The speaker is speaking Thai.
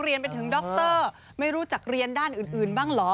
ไปถึงดรไม่รู้จักเรียนด้านอื่นบ้างเหรอ